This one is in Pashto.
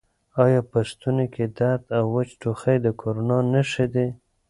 آیا په ستوني کې درد او وچ ټوخی د کرونا نښې دي؟